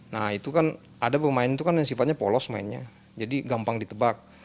nah itu kan ada pemain itu kan yang sifatnya polos mainnya jadi gampang ditebak